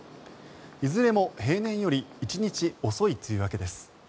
いずれも平年より１日遅い梅雨明けです。